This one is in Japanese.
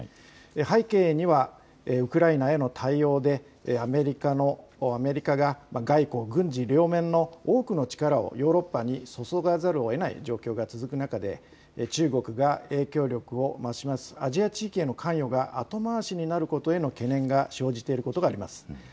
背景にはウクライナへの対応でアメリカが外交軍事、両面の多くの力をヨーロッパに注がざるをえない状況が続く中で中国が影響力を増すアジア地域への関与が後回しになることへの懸念が生じていることがあります。